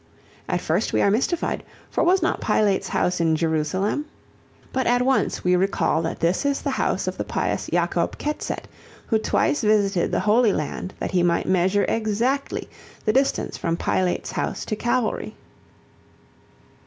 At first we are mystified, for was not Pilate's house in Jerusalem? But at once we recall that this is the house of the pious Jacob Ketzet who twice visited the Holy Land that he might measure exactly the distance from Pilate's house to Calvary.